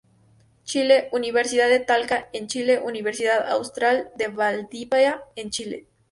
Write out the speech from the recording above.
Chile: Universidad de Talca en Chile; Universidad Austral de Valdivia en Chile.